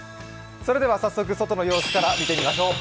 それでは早速、外の様子から見てみましょう。